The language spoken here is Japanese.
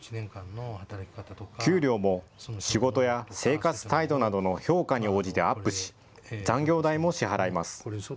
給料も仕事や生活態度などの評価に応じてアップし残業代も支払います。